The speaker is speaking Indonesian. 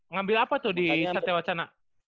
ngambil apa tuh di satyawacana waktu itu